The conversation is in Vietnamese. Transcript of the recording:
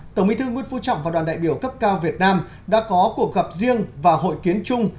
tổng bí thư nguyễn phú trọng và đoàn đại biểu cấp cao việt nam đã có cuộc gặp riêng và hội kiến chung